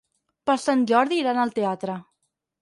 Per Sant Jordi iran al teatre.